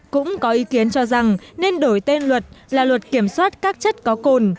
cũng có ý kiến cho rằng nên đổi tên luật là luật kiểm soát các chất có cồn